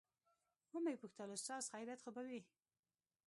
ومې پوښتل استاده خيريت خو به وي.